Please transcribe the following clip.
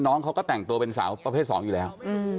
น้องเขาก็แต่งตัวเป็นสาวประเภท๒อยู่แล้ว